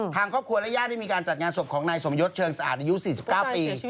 ทางครอบครัวและญาติได้มีการจัดงานศพของนายสมยศเชิงสะอาดอายุ๔๙ปี